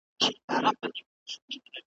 د کمزوري عاقبت ,